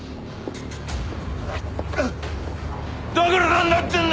だからなんだってんだ！